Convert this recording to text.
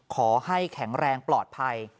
ขอให้แข็งแรงปลอดภัย